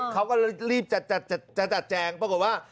เขาก็รีบจะจัดแจงปรากฏว่า